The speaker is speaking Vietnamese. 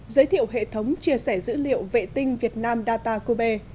giới thiệu hệ thống chia sẻ dữ liệu vệ tinh việt nam datacube